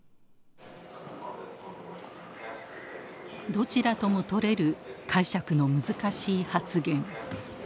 どちらとも取れる解釈の難しい発言。